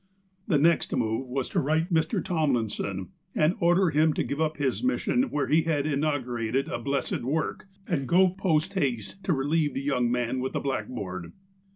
The next move was to write Mr. Tomlinson, and order him to give up his mission, where he had inaugurated a blessed work, and go post haste to relieve the young man with the blackboard.